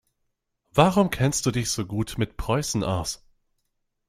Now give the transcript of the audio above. Warum kennst du dich so gut mit Preußen aus?